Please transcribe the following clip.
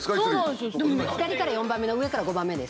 左から４番目の上から５番目です。